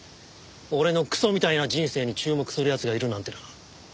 俺のクソみたいな人生に注目する奴がいるなんてな。